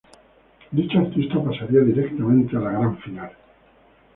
Dicho artista pasaría directamente a la gran final.